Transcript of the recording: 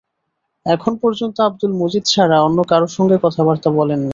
এখন পর্যন্ত আব্দুল মজিদ ছাড়া অন্য কারো সঙ্গে কথাবার্তা বলেন নি।